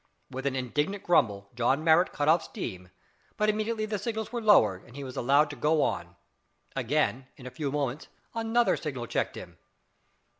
With an indignant grumble John Marrot cut off steam, but immediately the signals were lowered and he was allowed to go on. Again, in a few minutes, another signal checked him.